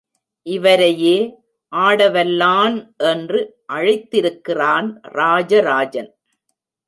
இவரையே ஆடவல்லான் என்று அழைத்திருக்கிறான் ராஜராஜன்.